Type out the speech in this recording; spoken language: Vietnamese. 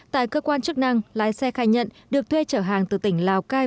tại cơ quan chức năng lái xe khai nhận được thuê trở hàng từ tỉnh lào cai